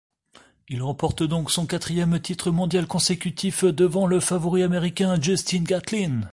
Il remporte donc son quatrième titre mondial consécutif devant le favori américain Justin Gatlin.